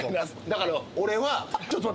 だから俺は。